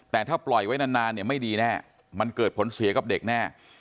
แต่ถ้าปล่อยไว้นานเนี่ยไม่ดีแน่มันเกิดผลเสียกับเด็กแน่